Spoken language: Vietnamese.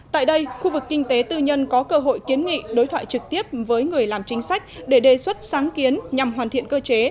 tại đây khu vực kinh tế tư nhân có cơ hội kiến nghị đối thoại trực tiếp với người làm chính sách để đề xuất sáng kiến nhằm hoàn thiện cơ chế